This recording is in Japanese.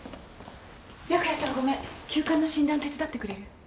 白夜さんごめん急患の診断手伝ってくれる？